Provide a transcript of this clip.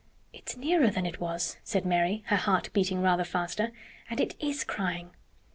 "It's nearer than it was," said Mary, her heart beating rather faster. "And it is crying."